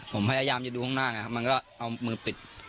ผมพยายามจะดูข้างหน้าไงครับมันก็เอามือปิด